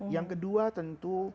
yang kedua tentu